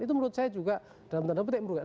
itu menurut saya juga dalam tanda petik merugikan